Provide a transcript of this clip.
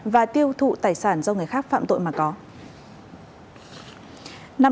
và tiêu thụ tài sản do người khác phạm tội mà có